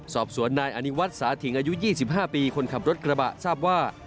สอบสวนนายอนิวัฒน์สาธิงอายุ๒๕ปีคนขับรถกระบะทราบว่า